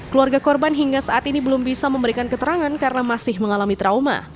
keluarga korban hingga saat ini belum bisa memberikan keterangan karena masih mengalami trauma